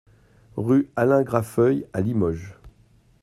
Rue Alain Grafeuil à Limoges